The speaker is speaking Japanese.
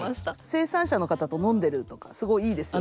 生産者の方と飲んでるとかすごいいいですよね。